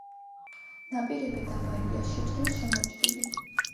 ნაპირები დაბალია, შეჭრილ-შემოჭრილი.